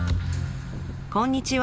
こんにちは！